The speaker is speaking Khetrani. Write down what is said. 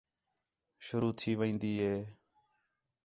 شروع تھی وین٘دی ہے